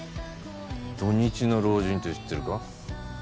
「土日の老人」って知ってるか？